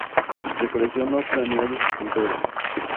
Decoración no plantea dificultades.